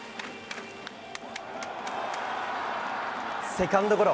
セカンドゴロ。